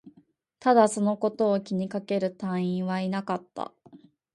ただ、そのことを気にかける隊員はいなかった